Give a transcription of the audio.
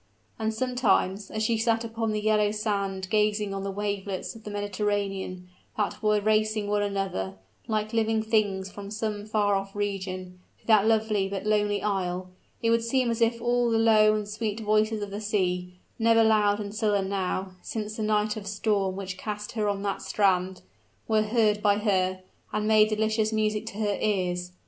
And sometimes, as she sat upon the yellow sand, gazing on the wavelets of the Mediterranean, that were racing one after another, like living things from some far off region, to that lovely but lonely isle, it would seem as if all the low and sweet voices of the sea never loud and sullen now, since the night of storm which cast her on that strand were heard by her, and made delicious music to her ears!